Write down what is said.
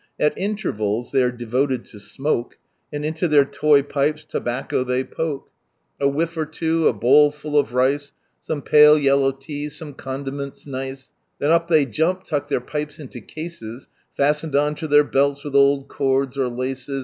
At intervals they are devoted lo smoke, And into their toy pipes tobacco they poke. A whiff or two, a bowlful of rice, Some pale yellow tea, some condiments nice.— Then up they jump, inck their pipes into cases Fastened on (o their belts with old cords or laces.